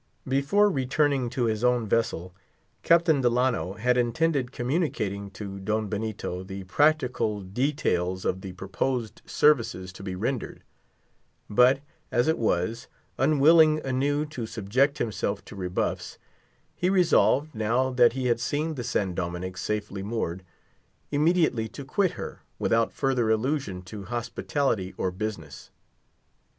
Before returning to his own vessel, Captain Delano had intended communicating to Don Benito the smaller details of the proposed services to be rendered. But, as it was, unwilling anew to subject himself to rebuffs, he resolved, now that he had seen the San Dominick safely moored, immediately to quit her, without further allusion to hospitality or business.